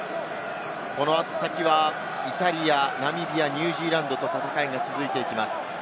この先はイタリア、ナミビア、ニュージーランドと戦いが続いていきます。